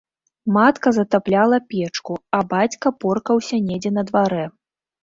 Матка затапляла печку, а бацька поркаўся недзе на дварэ.